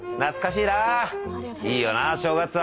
いいよな正月は。